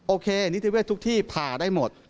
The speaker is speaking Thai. โอเคนิติเวศทุกที่ผ่าได้หมด